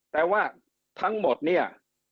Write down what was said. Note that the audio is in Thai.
แต่ว่าทั้งหมดเนี่ย